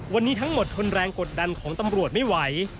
วันนี้ทั้งหมดทนแรงกดดันของตำรวจไม่ไหว